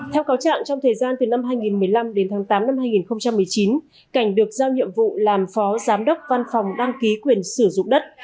theo cáo trạng trong thời gian từ năm hai nghìn một mươi năm đến tháng tám năm hai nghìn một mươi chín cảnh được giao nhiệm vụ làm phó giám đốc văn phòng đăng ký quyền sử dụng đất